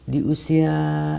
di usia empat puluh tujuh